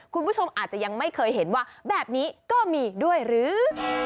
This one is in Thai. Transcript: คุณผู้ชมอาจจะยังไม่เคยเห็นว่าแบบนี้ก็มีอีกด้วยหรือ